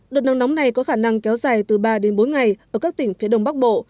đợt nắng nóng này có khả năng kéo dài từ ba đến bốn ngày ở các tỉnh phía đông bắc bộ